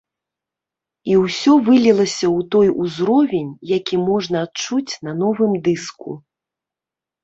І ўсё вылілася ў той узровень, які можна адчуць на новым дыску.